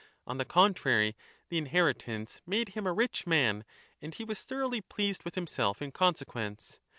On the con trary, the inheritance made him a rich man, and he was thoroughly pleased with himself in consequence.